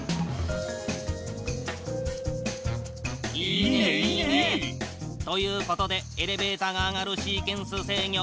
いいねいいね！ということでエレベータが上がるシーケンス制御。